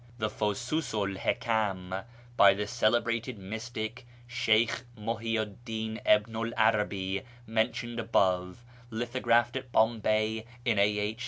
The Fusi'im 'l Hikam by the celebrated mystic, Sheykh IMuhiyyu 'd Din ibnu 'l 'Arabi, mentioned above. Lithographed at Bombay in A.H.